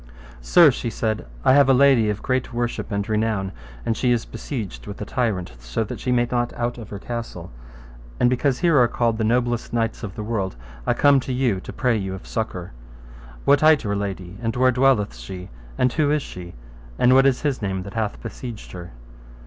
Sir, she said, I have a lady of great worship and renown, and she is besieged with a tyrant, so that she may not out of her castle; and because here are called the noblest knights of the world, I come to you to pray you of succour. What hight your lady, and where dwelleth she, and who is she, and what is his name that hath besieged her?